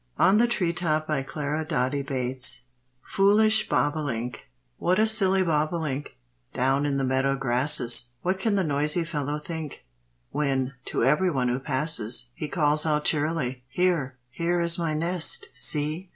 FOOLISH BOBOLINK. By Mrs. Clara Doty Bates. What a silly bobolink, Down in the meadow grasses! What can the noisy fellow think, When, to everyone who passes, He calls out cheerily, "Here, here is my nest! See!